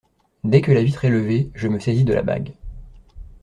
Dès que la vitre est levée, je me saisis de la bague.